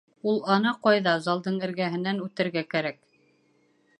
Ул, ана ҡайҙа, залдың эргәһенән үтергә кәрәк.